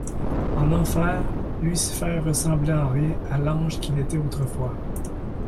En Enfer, Lucifer ressemblait en rien à l'ange qu'il était autrefois.